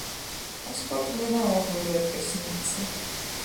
А спорт мне наогул рэдка сніцца.